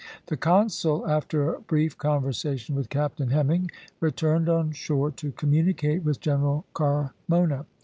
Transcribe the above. The consul, after a brief conversation with Captain Hemming, returned on shore to communicate with General Carmona.